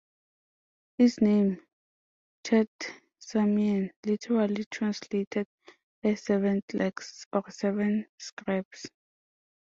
Its name ""Chet Samian"" literally translated as "seven clerks" or "seven scribes".